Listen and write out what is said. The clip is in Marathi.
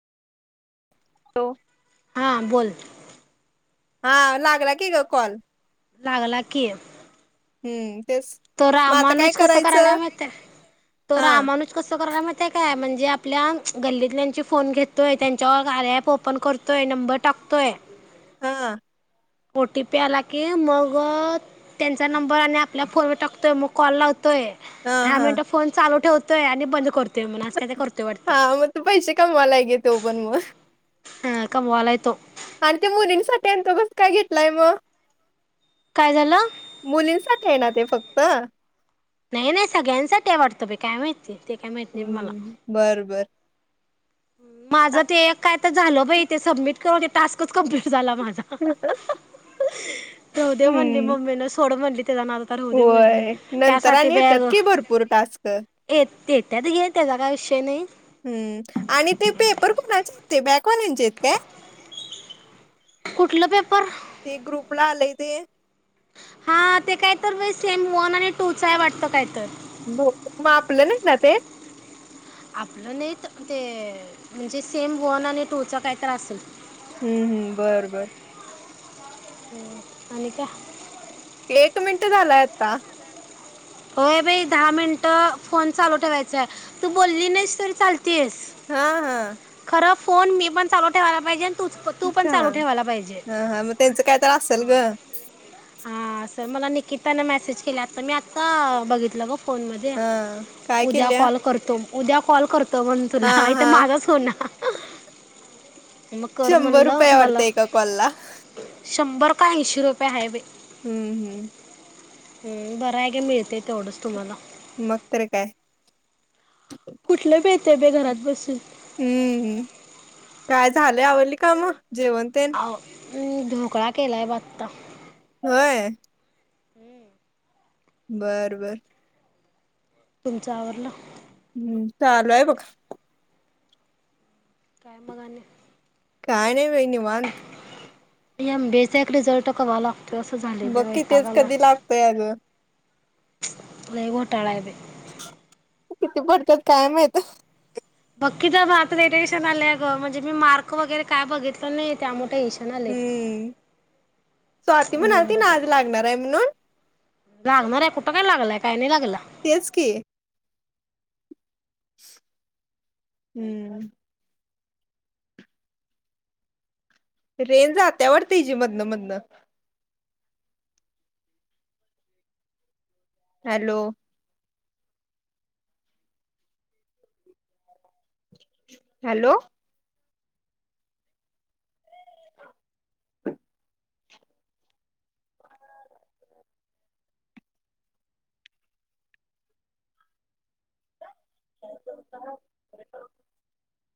हो. हां बोल. हा लागला की ग कॉल. लागला की. हम्म. तेच तो मग आता काय रामानुच कसं करायला करायचं माहित हाय? तो हा रामानुच कसं करायला माहित ते काय? म्हणजे आपल्या गल्लीतल्यांची फोन घेतोय, त्यांच्यावर कार्या ॲप ओपन करतोय, नंबर टाकतोय, हां, ओ टी पी आला की मग त्यांचा नंबर आणि आपल्या फोनवर टकतोय, म कॉल लावतो य, दहा हा मिनिटं फोन चालू ठेवत य आणि बंद करतोय. म्हणून आज काय ते करतोय वाटतं हा मग तो पैसे कमवालाय की तो पण मग. हा कमवालाय तो. आणि ते मुलींसाठी आहे आणि तो कस काय घेतलाय म? काय झालं? मुलींसाठी आहे ना ते फक्त? नाही नाही सगळ्यांसाठी आहे वाटतं बाई काय माहीत. हम्म बर बर. माझं ते एक काय झालं बाई ते सबमिट केलं की टास्कच कंप्लीट झाला. माझा. राहूदे म्हणली हम्म मम्मिन सोड म्हणली त्याचा नाद आता राहू दे म्हणली. होय नंतर त्यासाठी आणि येत्यात कि भरपूर टास्क. ते येत्यात घे त्याचा काय विषय नाही. हम्म आणि ते पेपर कुणाचे आहेत ते बॅकवाल्यानचे आहेत काय? कुठलं पेपर? ते ग्रुपला आलंय ते. हा ते काय तर सेम वन आणि टू च आहे वाटतं काय तर. बहुतेक मग आपलं नाही ना ते? आपलं नाहीत ते म्हणजे सेम वन आणि टू च काहीतर असल. हम्म, हम्म, बरं, बर. आणि काय? एक मिनट झालाय आता. होय बाई दहा मिनटं फोन चालू ठेवायचाय तू बोलली नाहीस तरी चालतीस. हां, हां. फोन मी पण चालू ठेवायला पाहिजेल. अच्छ, हा हा मग त्यांचं काय तर असेल ग. हा आसं मला निकितानं मेसेज केलिया आता मी आत्ता बघितलं ग. फोनमध्ये हां, काय उद्या केल्या? कॉल करतो. उद्या कॉल करत. म्हण हां, तुला तर हां. माझाच हो ना मग कर शंभर म्हणलं रुपये मला वाटतेय का कॉल ला शंभर का ऐंशी रुपये है ब हम्म हम्म हम् बरं आहे का मिळते तेवढंच तुम्हाला मग तर काय ते बे घरात बसून हम्म काय झालंय आवडली का मग जेवण करून हम् ढोकळा केलाय ब आता होय. हम्म बर बर तुमच आवरला. हम्म चालूय बघ. काय मग आणि? का नाही बाई निवांत. या एम बी ए चा एक रिझल्ट केव्हा लागतो? असं झाले बे बक्की तेच कधी लागतय अगं? नाही गोठाळा आहेे बाई. किती पडतात काय माहित? बाकी तर आता रटेशन आले ग म्हणजे मी मार्क वगैरे काय बघितलं नाही त्यामुळे टेन्शन आले हम्म स्वाती म्हणालाती बोंबच ना आज लागणार आहे म्हणून लागणार आहे कुठं काय लागलंय काही नाही लागलं? तेच की. हम्म. रेंज जात्या वाढत हीजी मधनं मधनं हॅलो. हॅलो. काय का